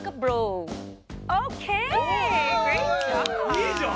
いいじゃん！